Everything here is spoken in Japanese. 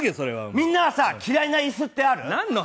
みんなは嫌いな椅子ってある？